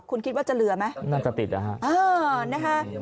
คุณคิดว่าจะเหลือไหมฮะน่าจะติดอะฮะอ้าวนะคะ